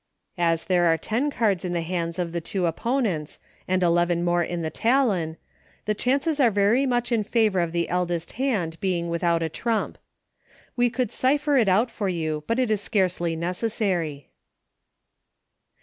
As there are ten cards in the hands of the two 74 EUCHRE. opponents, and eleven more in the talon, the chances are very much in favor of the eldest hand being without a trump. We could cipher it oat for you, but it is scarcely necessary.